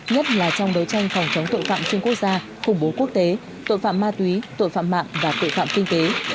nhất là trong đấu tranh phòng chống tội phạm chuyên quốc gia khủng bố quốc tế tội phạm ma túy tội phạm mạng và tội phạm kinh tế